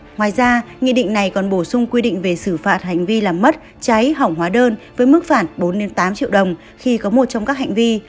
ngoài ra nghị định này còn bổ sung quy định về xử phạt hành vi làm mất cháy hỏng hóa đơn với mức phạt bốn tám triệu đồng khi có một trong các hành vi